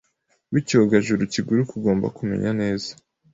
wicyogajuru kiguruka ugomba kumenya neza